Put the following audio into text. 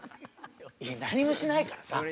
何もしないからさ。